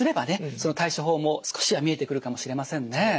その対処法も少しは見えてくるかもしれませんね。